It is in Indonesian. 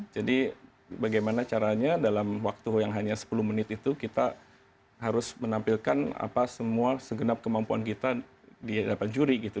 jadi bagaimana caranya dalam waktu yang hanya sepuluh menit itu kita harus menampilkan apa semua segenap kemampuan kita di hadapan juri gitu